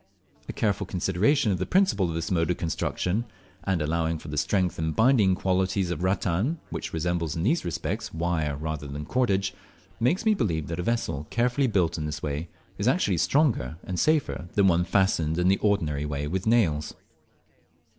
A careful consideration of the principle of this mode of construction, and allowing for the strength and binding qualities of rattan (which resembles in these respects wire rather than cordage), makes me believe that a vessel carefully built in this manner is actually stronger and safer than one fastened in the ordinary way with nails.